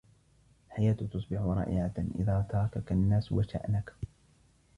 الحياة تصبح رائعة إذا تركك الناس و شأنك